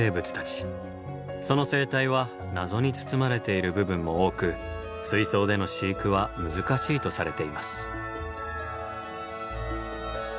その生態は謎に包まれている部分も多く水槽での飼育は難しいとされています。